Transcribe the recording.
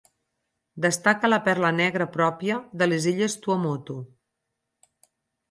Destaca la perla negra pròpia de les illes Tuamotu.